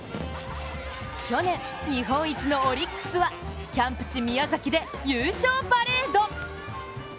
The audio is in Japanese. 去年日本一のオリックスはキャンプ地・宮崎で優勝パレード。